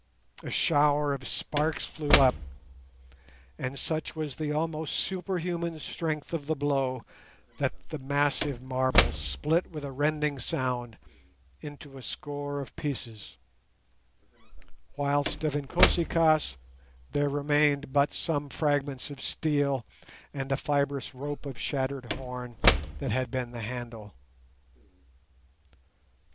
A shower of sparks flew up, and such was the almost superhuman strength of the blow, that the massive marble split with a rending sound into a score of pieces, whilst of Inkosi kaas there remained but some fragments of steel and a fibrous rope of shattered horn that had been the handle.